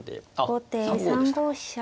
後手３五飛車。